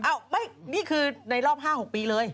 อ้าวไม่นี่คือในรอบ๕๖ปีเลย